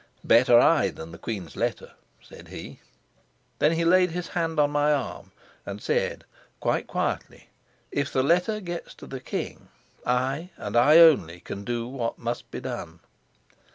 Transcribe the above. "Better I than the queen's letter," said he. Then he laid his hand on my arm and said, quite quietly, "If the letter gets to the king, I and I only can do what must be done."